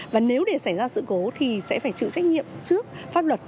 và nếu để xảy ra sự cố thì sẽ phải chịu trách nhiệm trước pháp luật